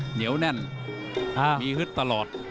เหนียวแน่นมีฮึดตลอด